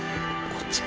こっち